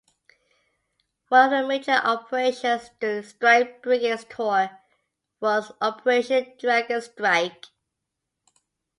One of the major operations during Strike Brigade's tour was Operation Dragon Strike.